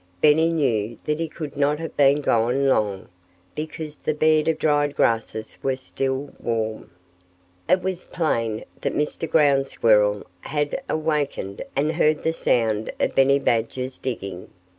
Benny knew that he could not have been gone long, because the bed of dried grasses was still warm. It was plain that Mr. Ground Squirrel had awakened and heard the sound of Benny Badger's digging.